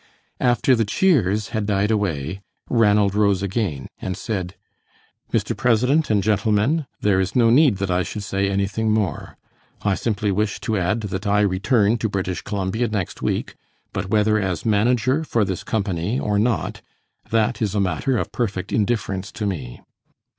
After the cheers had died away, Ranald rose again, and said, "Mr. President and gentlemen, there is no need that I should say anything more. I simply wish to add that I return to British Columbia next week, but whether as manager for this company or not that is a matter of perfect indifference to me."